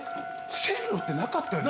線路ってなかったよね？